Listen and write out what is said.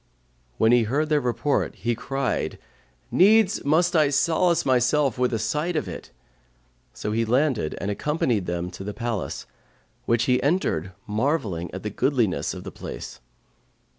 When he heard their report, he cried, 'Needs must I solace myself with a sight of it;' so he landed and accompanied them to the palace, which he entered marvelling at the goodliness of the place.